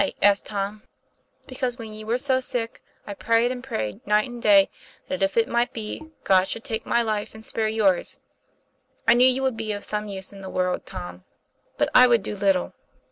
asked Tom. '* Because when you were so sick I prayed and prayed, night and day, that, if it might be, God should take my life and spare yours. I knew you would be of some use in the world, Tom, but I would do little.